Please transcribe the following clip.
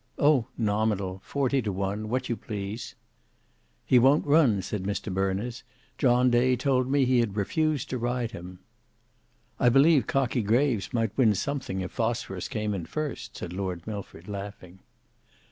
"Oh! nominal; forty to one,—what you please." "He won't run," said Mr Berners, "John Day told me he had refused to ride him." "I believe Cockie Graves might win something if Phosphorus came in first," said Lord Milford, laughing.